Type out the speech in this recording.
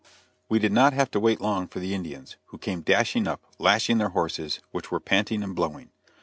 We did not have to wait long for the Indians, who came dashing up, lashing their horses, which were panting and blowing.